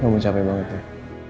kamu capek banget tuh